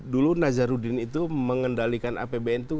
dulu nazarudin itu mengendalikan apbn itu